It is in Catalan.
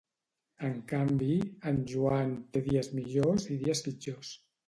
En canvi, en Joan té dies millors i dies pitjors